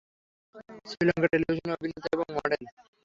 শ্রীলঙ্কার টেলিভিশনে অভিনেতা এবং মডেল।